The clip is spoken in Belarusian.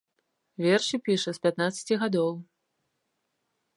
Вершы піша з пятнаццаці гадоў.